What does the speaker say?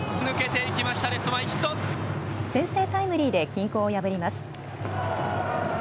先制タイムリーで均衡を破ります。